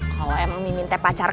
kalau emang mimin pacar kamu